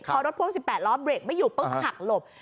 พอรถพ่วง๑๘ล้อเบรกไม่อยู่ปุ๊บหักหลบ